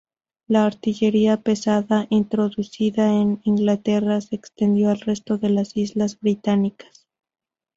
La artillería pesada introducida en Inglaterra se extendió al resto de las Islas Británicas.